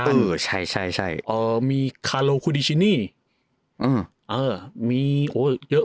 เยอะเยอะเพราะไล่เยอะ